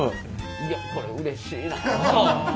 いやこれうれしいなあ。